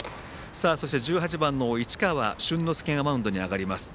そして、１８番の市川春之介がマウンドに上がります。